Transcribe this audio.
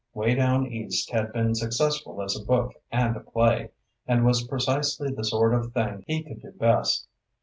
"Way Down East" had been successful as a book and a play, and was precisely the sort of thing he could do best.